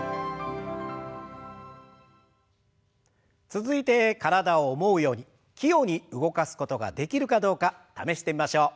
続いて体を思うように器用に動かすことができるかどうか試してみましょう。